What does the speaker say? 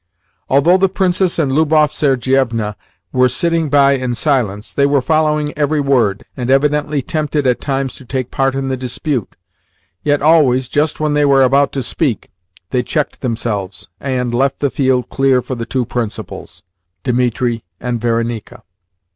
Although the Princess and Lubov Sergievna were sitting by in silence, they were following every word, and evidently tempted at times to take part in the dispute; yet always, just when they were about to speak, they checked themselves, and left the field clear for the two principles, Dimitri and Varenika.